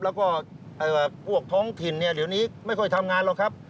แล้วก็พวกท้องถิ่นเนี่ยเดี๋ยวนี้ไม่ค่อยทำงานหรอกครับ